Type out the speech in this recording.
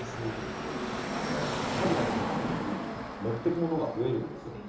キャリアとともに持って行くものが増えるんですよ。